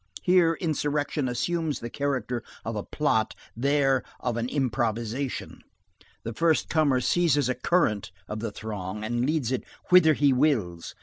Here insurrection assumes the character of a plot; there of an improvisation. The first comer seizes a current of the throng and leads it whither he wills.